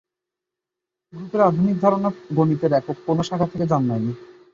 গ্রুপের আধুনিক ধারণা গণিতের একক কোন শাখা থেকে জন্মায়নি।